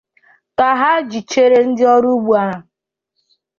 Ka ha jidechara ndị ọrụ ugbo ahụ